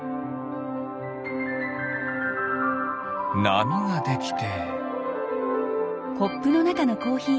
なみができて。